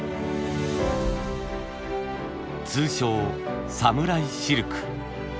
通称サムライシルク。